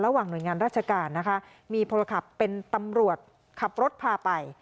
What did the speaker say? หน่วยงานราชการนะคะมีพลขับเป็นตำรวจขับรถพาไป